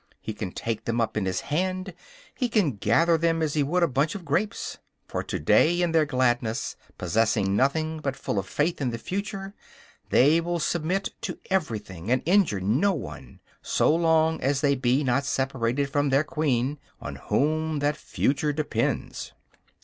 He can take them up in his hand, he can gather them as he would a bunch of grapes; for to day, in their gladness, possessing nothing, but full of faith in the future, they will submit to everything and injure no one, so long as they be not separated from their queen, on whom that future depends.